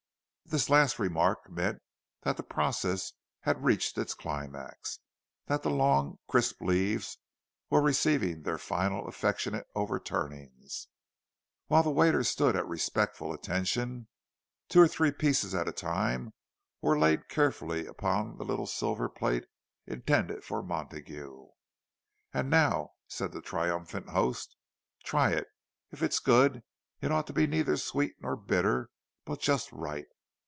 This last remark meant that the process had reached its climax—that the long, crisp leaves were receiving their final affectionate overturnings. While the waiter stood at respectful attention, two or three pieces at a time were laid carefully upon the little silver plate intended for Montague. "And now," said the triumphant host, "try it! If it's good, it ought to be neither sweet nor bitter, but just right."